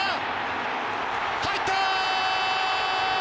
入った！